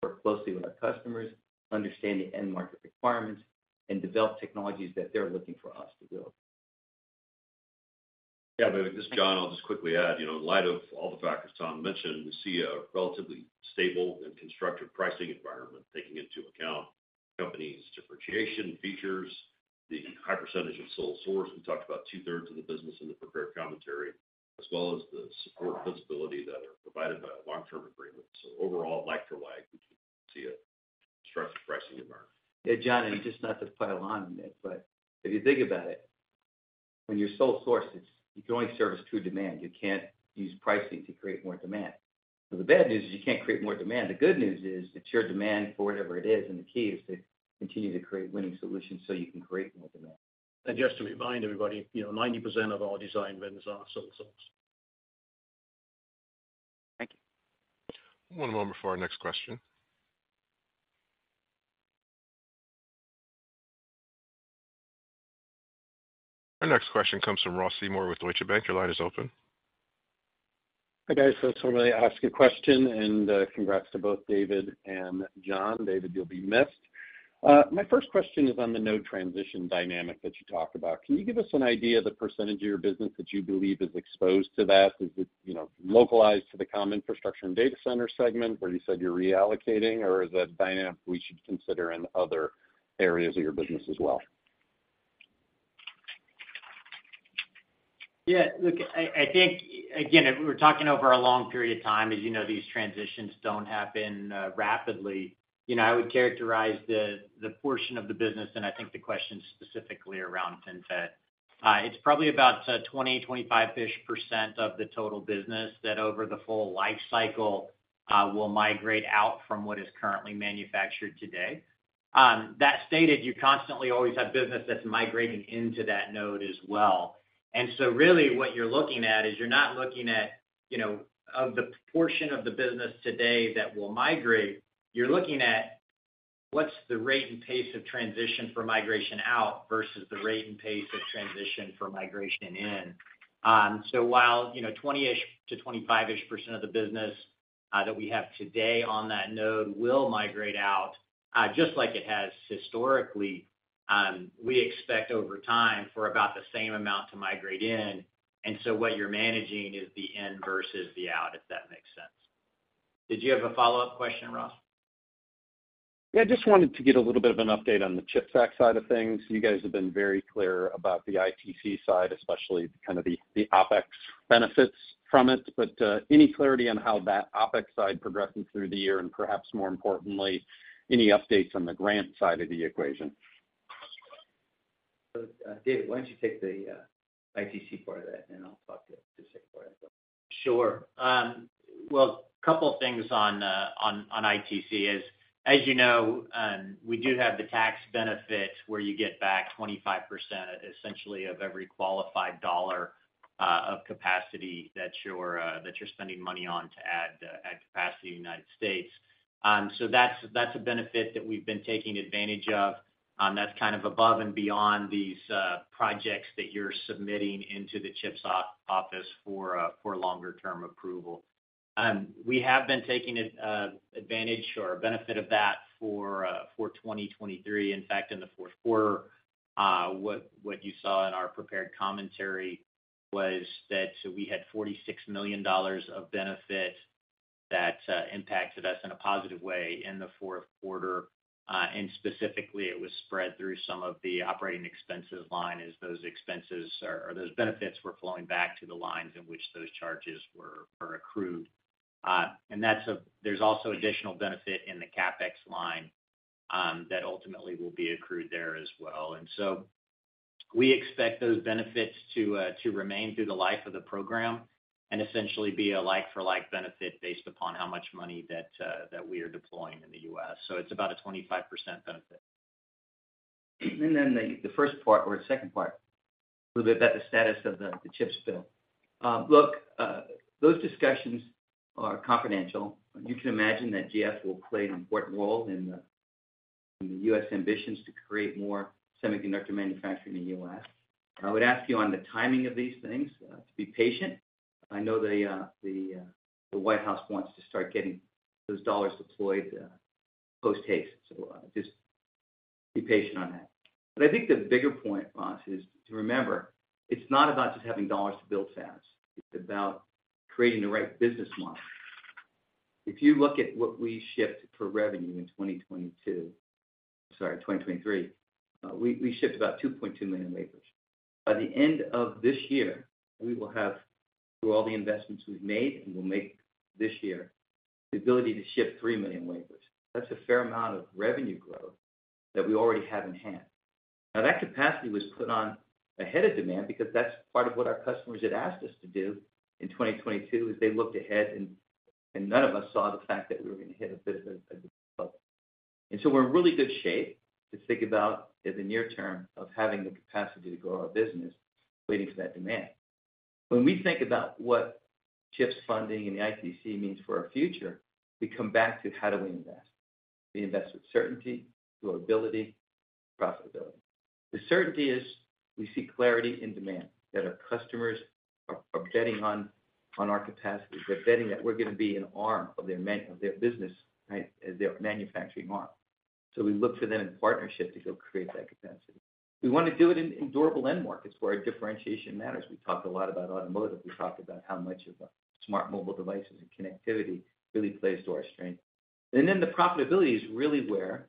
work closely with our customers, understand the end market requirements, and develop technologies that they're looking for us to build. Yeah, Vivek. Just John, I'll just quickly add. In light of all the factors Tom mentioned, we see a relatively stable and constructive pricing environment taking into account companies, differentiation, features, the high percentage of sole source. We talked about two-thirds of the business in the prepared commentary, as well as the support and visibility that are provided by a long-term agreement. So overall, leg for leg, we see a constructive pricing environment. Yeah, John, and just not to pile on on it, but if you think about it, when you're sole source, you can only service true demand. You can't use pricing to create more demand. So the bad news is you can't create more demand. The good news is it's your demand for whatever it is. And the key is to continue to create winning solutions so you can create more demand. Just to remind everybody, 90% of our design wins are sole source. Thank you. One moment for our next question. Our next question comes from Ross Seymore with Deutsche Bank. Your line is open. Hi, guys. I just wanted to ask a question. Congrats to both David and John. David, you'll be missed. My first question is on the node transition dynamic that you talked about. Can you give us an idea of the percentage of your business that you believe is exposed to that? Is it localized to the common infrastructure and data center segment where you said you're reallocating? Or is that a dynamic we should consider in other areas of your business as well? Yeah. Look, I think, again, we're talking over a long period of time. As you know, these transitions don't happen rapidly. I would characterize the portion of the business, and I think the question's specifically around FinFET, it's probably about 20%-25%-ish of the total business that, over the full lifecycle, will migrate out from what is currently manufactured today. That stated, you constantly always have business that's migrating into that node as well. And so really, what you're looking at is you're not looking at of the portion of the business today that will migrate, you're looking at what's the rate and pace of transition for migration out versus the rate and pace of transition for migration in. So while 20-ish%-25-ish% of the business that we have today on that node will migrate out, just like it has historically, we expect over time for about the same amount to migrate in. And so what you're managing is the in versus the out, if that makes sense. Did you have a follow-up question, Ross? Yeah, I just wanted to get a little bit of an update on the CHIPS Act side of things. You guys have been very clear about the ITC side, especially kind of the OpEx benefits from it. But any clarity on how that OpEx side progresses through the year and, perhaps more importantly, any updates on the grant side of the equation? David, why don't you take the ITC part of that, and I'll talk to the tech part of it. Sure. Well, a couple of things on ITC. As you know, we do have the tax benefit where you get back 25%, essentially, of every qualified dollar of capacity that you're spending money on to add capacity to the United States. So that's a benefit that we've been taking advantage of. That's kind of above and beyond these projects that you're submitting into the CHIPS Office for longer-term approval. We have been taking advantage or benefit of that for 2023. In fact, in the fourth quarter, what you saw in our prepared commentary was that we had $46 million of benefit that impacted us in a positive way in the fourth quarter. Specifically, it was spread through some of the operating expenses line as those expenses or those benefits were flowing back to the lines in which those charges were accrued. And there's also additional benefit in the CapEx line that ultimately will be accrued there as well. And so we expect those benefits to remain through the life of the program and essentially be a like-for-like benefit based upon how much money that we are deploying in the U.S. So it's about a 25% benefit. And then the first part or the second part, a little bit about the status of the CHIPS bill. Look, those discussions are confidential. You can imagine that GF will play an important role in the U.S. ambitions to create more semiconductor manufacturing in the U.S. I would ask you on the timing of these things to be patient. I know the White House wants to start getting those dollars deployed post-haste. So just be patient on that. But I think the bigger point, Ross, is to remember, it's not about just having dollars to build fabs. It's about creating the right business model. If you look at what we shipped for revenue in 2022 I'm sorry, 2023. We shipped about 2.2 million wafers. By the end of this year, we will have, through all the investments we've made and we'll make this year, the ability to ship 3 million wafers. That's a fair amount of revenue growth that we already have in hand. Now, that capacity was put on ahead of demand because that's part of what our customers had asked us to do in 2022, is they looked ahead, and none of us saw the fact that we were going to hit a bit of a bubble. And so we're in really good shape to think about, in the near term, of having the capacity to grow our business waiting for that demand. When we think about what CHIPS funding and the ITC means for our future, we come back to how do we invest? We invest with certainty, durability, profitability. The certainty is we see clarity in demand that our customers are betting on our capacity. They're betting that we're going to be an arm of their business, right, as their manufacturing arm. So we look for them in partnership to go create that capacity. We want to do it in durable end markets where our differentiation matters. We talked a lot about automotive. We talked about how much of smart mobile devices and connectivity really plays to our strength. And then the profitability is really where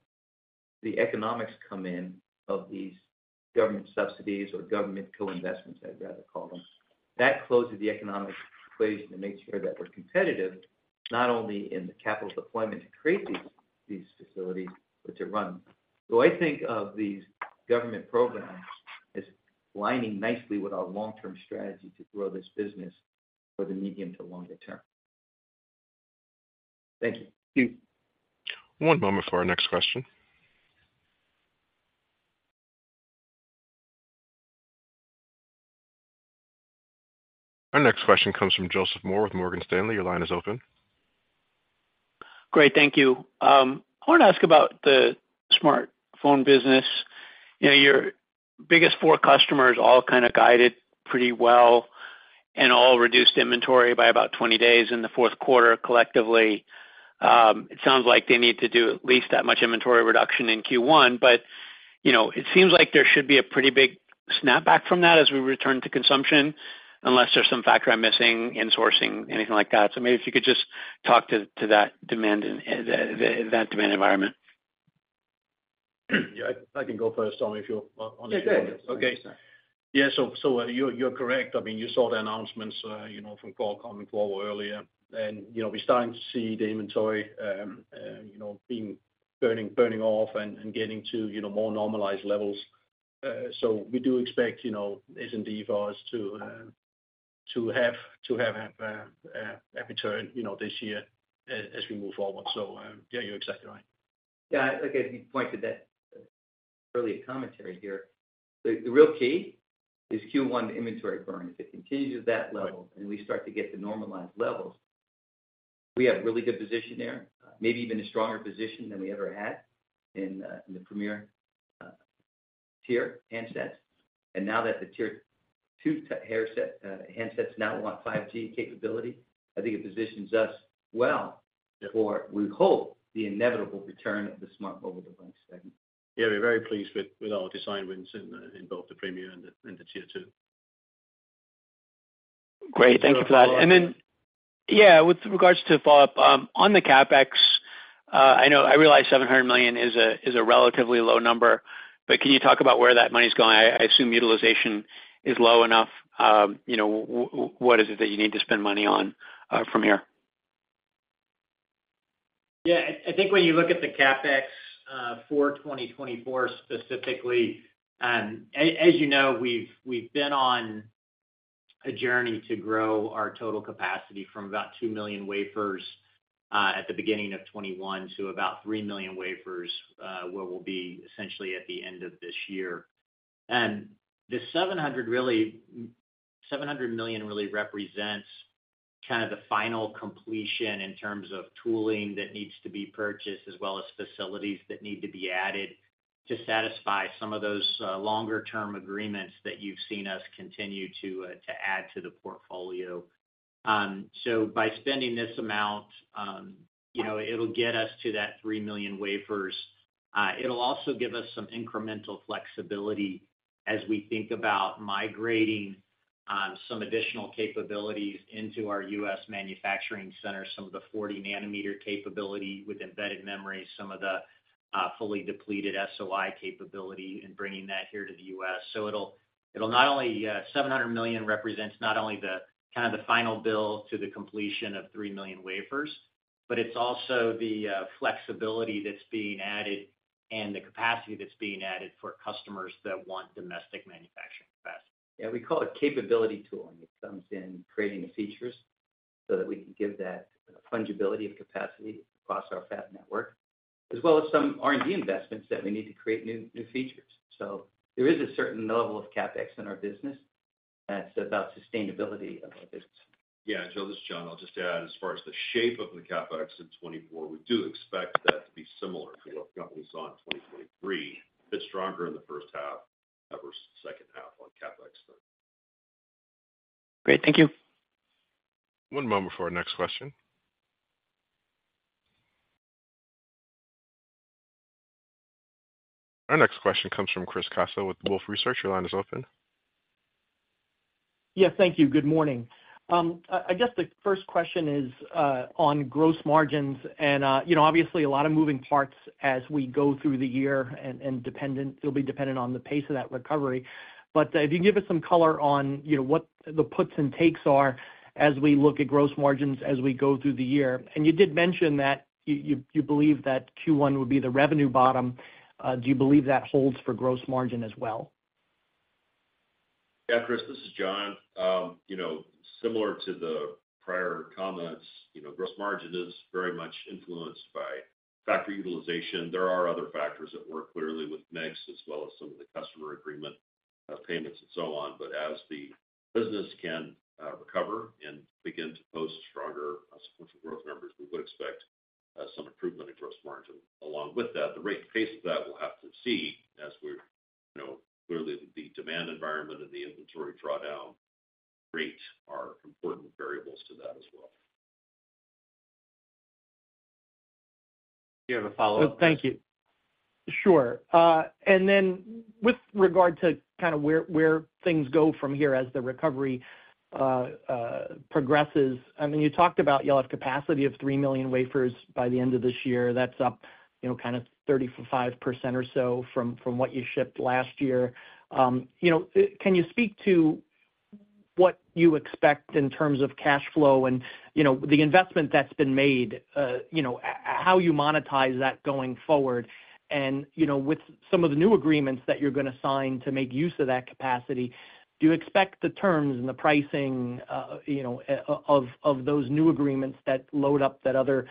the economics come in of these government subsidies or government co-investments, I'd rather call them. That closes the economic equation to make sure that we're competitive, not only in the capital deployment to create these facilities, but to run them. I think of these government programs as aligning nicely with our long-term strategy to grow this business for the medium to longer term. Thank you. Thank you. One moment for our next question. Our next question comes from Joseph Moore with Morgan Stanley. Your line is open. Great. Thank you. I want to ask about the smartphone business. Your biggest four customers all kind of guided pretty well and all reduced inventory by about 20 days in the fourth quarter collectively. It sounds like they need to do at least that much inventory reduction in Q1. But it seems like there should be a pretty big snapback from that as we return to consumption, unless there's some factor I'm missing, insourcing, anything like that. So maybe if you could just talk to that demand environment. Yeah, I can go first, Tom, if you're on the air. Yeah, go ahead. Okay. Yeah, so you're correct. I mean, you saw the announcements from Qualcomm and Global earlier. And we're starting to see the inventory burning off and getting to more normalized levels. So we do expect SMD for us to have a return this year as we move forward. So yeah, you're exactly right. Yeah. Look, as you pointed that earlier commentary here, the real key is Q1 inventory burn. If it continues at that level and we start to get to normalized levels, we have a really good position there, maybe even a stronger position than we ever had in the premier tier handsets. And now that the tier two handsets now want 5G capability, I think it positions us well for, we hope, the inevitable return of the smart mobile device segment. Yeah, we're very pleased with our design wins in both the premier and the tier two. Great. Thank you for that. And then, yeah, with regards to follow-up, on the CapEx, I realize $700 million is a relatively low number. But can you talk about where that money's going? I assume utilization is low enough. What is it that you need to spend money on from here? Yeah. I think when you look at the CapEx for 2024 specifically, as you know, we've been on a journey to grow our total capacity from about 2 million wafers at the beginning of 2021 to about 3 million wafers where we'll be essentially at the end of this year. And the $700 million really represents kind of the final completion in terms of tooling that needs to be purchased, as well as facilities that need to be added to satisfy some of those longer-term agreements that you've seen us continue to add to the portfolio. So by spending this amount, it'll get us to that 3 million wafers. It'll also give us some incremental flexibility as we think about migrating some additional capabilities into our U.S. manufacturing center, some of the 40-nm capability with embedded memory, some of the fully depleted SOI capability, and bringing that here to the U.S. So it'll not only $700 million represents not only kind of the final bill to the completion of 3 million wafers, but it's also the flexibility that's being added and the capacity that's being added for customers that want domestic manufacturing capacity. Yeah, we call it capability tooling. It comes in creating the features so that we can give that fungibility of capacity across our fab network, as well as some R&D investments that we need to create new features. So there is a certain level of CapEx in our business that's about sustainability of our business. Yeah. And just, John, I'll just add, as far as the shape of the CapEx in 2024, we do expect that to be similar to what companies saw in 2023, a bit stronger in the first half, versus second half on CapEx then. Great. Thank you. One moment for our next question. Our next question comes from Chris Caso with Wolfe Research. Your line is open. Yes, thank you. Good morning. I guess the first question is on gross margins. Obviously, a lot of moving parts as we go through the year, and it'll be dependent on the pace of that recovery. If you can give us some color on what the puts and takes are as we look at gross margins as we go through the year. You did mention that you believe that Q1 would be the revenue bottom. Do you believe that holds for gross margin as well? Yeah, Chris. This is John. Similar to the prior comments, gross margin is very much influenced by factory utilization. There are other factors that work clearly with mix, as well as some of the customer agreement payments and so on. But as the business can recover and begin to post stronger sequential growth numbers, we would expect some improvement in gross margin. Along with that, the rate and pace of that we'll have to see as the demand environment and the inventory drawdown rate are important variables to that as well. Do you have a follow-up? Well, thank you. Sure. And then with regard to kind of where things go from here as the recovery progresses, I mean, you talked about you'll have capacity of 3 million wafers by the end of this year. That's up kind of 35% or so from what you shipped last year. Can you speak to what you expect in terms of cash flow and the investment that's been made, how you monetize that going forward? And with some of the new agreements that you're going to sign to make use of that capacity, do you expect the terms and the pricing of those new agreements that load up that other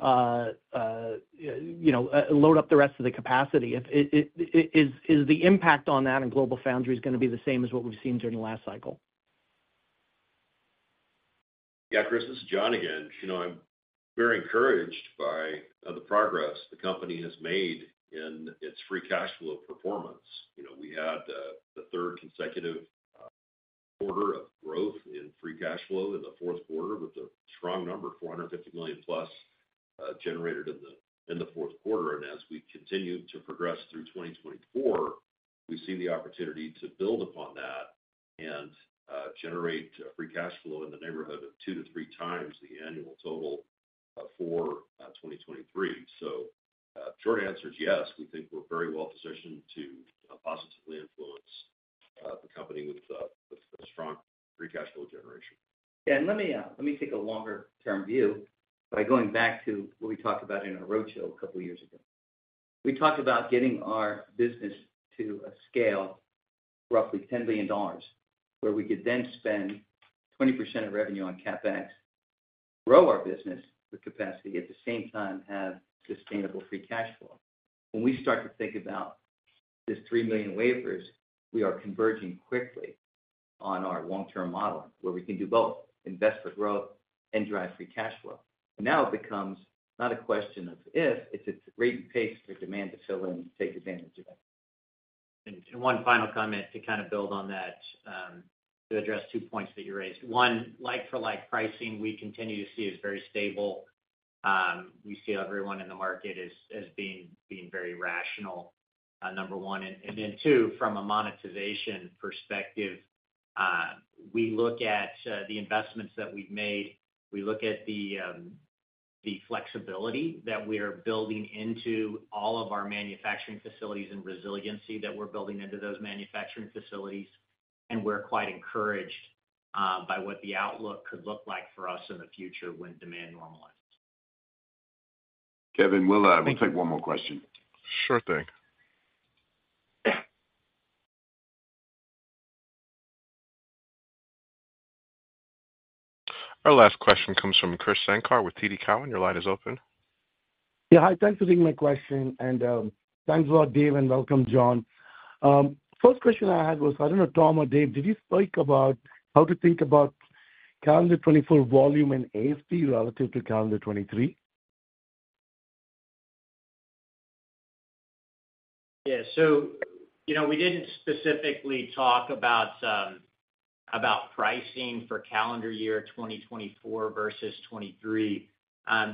load up the rest of the capacity? Is the impact on that in GlobalFoundries going to be the same as what we've seen during the last cycle? Yeah, Chris. This is John again. I'm very encouraged by the progress the company has made in its free cash flow performance. We had the third consecutive quarter of growth in free cash flow in the fourth quarter with a strong number, $450 million+ generated in the fourth quarter. And as we continue to progress through 2024, we see the opportunity to build upon that and generate free cash flow in the neighborhood of 2-3 times the annual total for 2023. So short answer is yes. We think we're very well positioned to positively influence the company with strong free cash flow generation. Yeah. And let me take a longer-term view by going back to what we talked about in our roadshow a couple of years ago. We talked about getting our business to a scale of roughly $10 billion where we could then spend 20% of revenue on CapEx, grow our business with capacity, at the same time have sustainable free cash flow. When we start to think about this 3 million wafers, we are converging quickly on our long-term model where we can do both, invest for growth, and drive free cash flow. Now it becomes not a question of if. It's its rate and pace for demand to fill in, take advantage of it. One final comment to kind of build on that, to address two points that you raised. One, leg-for-leg pricing, we continue to see is very stable. We see everyone in the market as being very rational, number one. And then two, from a monetization perspective, we look at the investments that we've made. We look at the flexibility that we are building into all of our manufacturing facilities and resiliency that we're building into those manufacturing facilities. And we're quite encouraged by what the outlook could look like for us in the future when demand normalizes. Kevin, we'll take one more question. Sure thing. Our last question comes from Krish Sankar with TD Cowen. Your line is open. Yeah, hi. Thanks for taking my question. And thanks a lot, Dave, and welcome, John. First question I had was, I don't know, Tom or Dave, did you speak about how to think about calendar 2024 volume in ASP relative to calendar 2023? Yeah. So we didn't specifically talk about pricing for calendar year 2024 versus 2023.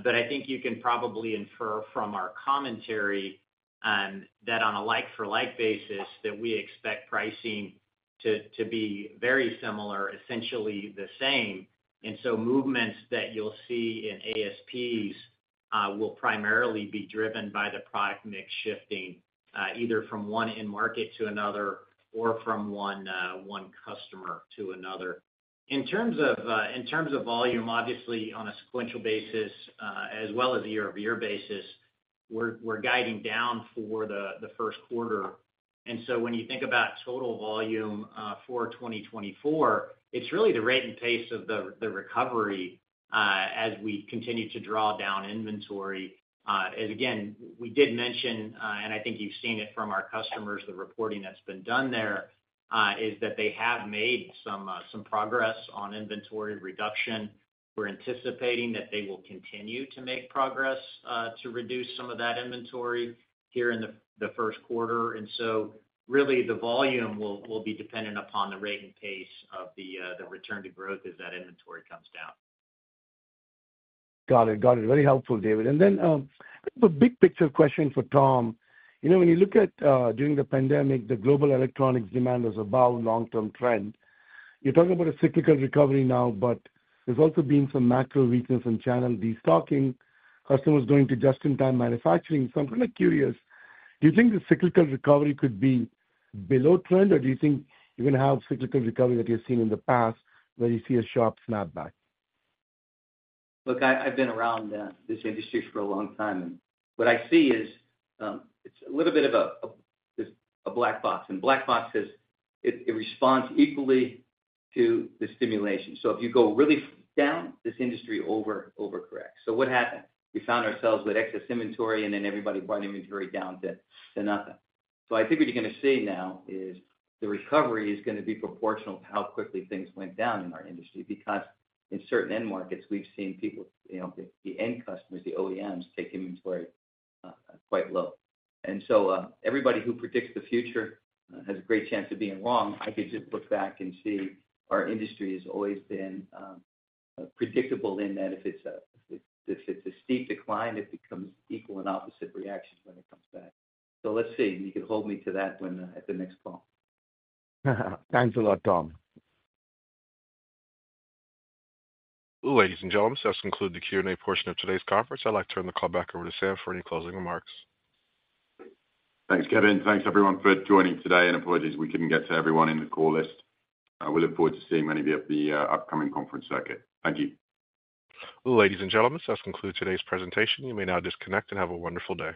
But I think you can probably infer from our commentary that on a leg-for-leg basis, that we expect pricing to be very similar, essentially the same. And so movements that you'll see in ASPs will primarily be driven by the product mix shifting either from one in-market to another or from one customer to another. In terms of volume, obviously, on a sequential basis, as well as a year-over-year basis, we're guiding down for the first quarter. And so when you think about total volume for 2024, it's really the rate and pace of the recovery as we continue to draw down inventory. Again, we did mention, and I think you've seen it from our customers, the reporting that's been done there is that they have made some progress on inventory reduction. We're anticipating that they will continue to make progress to reduce some of that inventory here in the first quarter. So really, the volume will be dependent upon the rate and pace of the return to growth as that inventory comes down. Got it. Got it. Very helpful, David. And then a big picture question for Tom. When you look at during the pandemic, the global electronics demand was above long-term trend. You're talking about a cyclical recovery now, but there's also been some macro weakness in channel destocking, customers going to just-in-time manufacturing. So I'm kind of curious, do you think the cyclical recovery could be below trend, or do you think you're going to have cyclical recovery that you've seen in the past where you see a sharp snapback? Look, I've been around this industry for a long time. And what I see is it's a little bit of a black box. And black boxes, it responds equally to the stimulation. So if you go really down, this industry overcorrects. So what happened? We found ourselves with excess inventory, and then everybody brought inventory down to nothing. So I think what you're going to see now is the recovery is going to be proportional to how quickly things went down in our industry because in certain end markets, we've seen people, the end customers, the OEMs, take inventory quite low. And so everybody who predicts the future has a great chance of being wrong. I could just look back and see our industry has always been predictable in that if it's a steep decline, it becomes equal and opposite reaction when it comes back. So let's see. You can hold me to that at the next call. Thanks a lot, Tom. All right, ladies and gentlemen, so that's concluded the Q&A portion of today's conference. I'd like to turn the call back over to Sam for any closing remarks. Thanks, Kevin. Thanks, everyone, for joining today. Apologies, we couldn't get to everyone in the call list. We look forward to seeing many of you at the upcoming conference circuit. Thank you. Ladies and gentlemen, so that's concluded today's presentation. You may now disconnect and have a wonderful day.